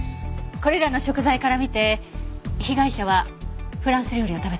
これらの食材から見て被害者はフランス料理を食べたんじゃないかしら？